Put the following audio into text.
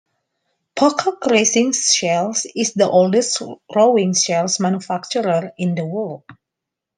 Pocock Racing Shells is the oldest rowing shell manufacturer in the world.